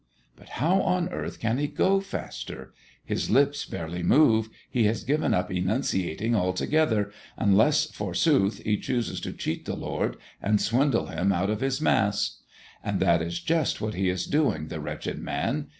But how on earth can he go faster? His lips barely move; he has given up enunciating altogether, unless, forsooth, he chooses to cheat the Lord, and swindle him out of his Mass. And that is just what he is doing, the wretched man!